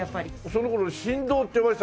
その頃俺神童って呼ばれてた。